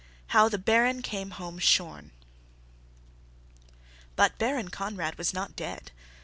How the Baron came Home Shorn. But Baron Conrad was not dead.